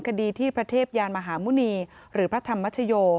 คดีที่พระเทพยานมหาหมุณีหรือพระธรรมชโย